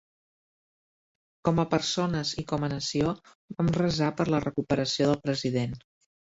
Com a persones i com a nació, vam resar per la recuperació del President.